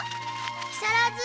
木更津。